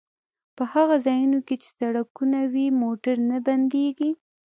په هغو ځایونو کې چې سړکونه وي موټر نه بندیږي